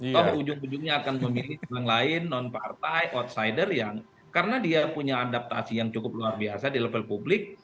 toh ujung ujungnya akan memilih orang lain non partai outsider yang karena dia punya adaptasi yang cukup luar biasa di level publik